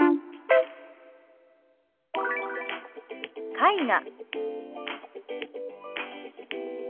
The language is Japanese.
「絵画」。